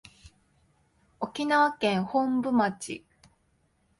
沖縄県本部町